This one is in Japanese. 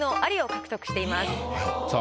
さあ